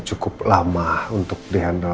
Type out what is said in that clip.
cukup lama untuk di handle